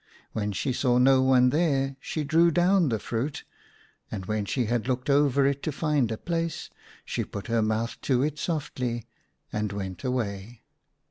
When she saw no one there she drew down the fruit, and when she had looked over it to find a place, she put her mouth to it softly, and went away.